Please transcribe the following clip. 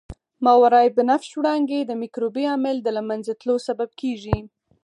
ماورای بنفش وړانګې د مکروبي عامل د له منځه تلو سبب کیږي.